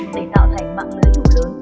để tạo thành mạng lưới đủ lớn